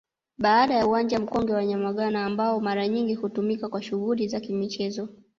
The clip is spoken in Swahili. Baada ya Uwanja Mkongwe wa Nyamagana ambao mara nyingi hutumika kwa shughuli za Kimichezo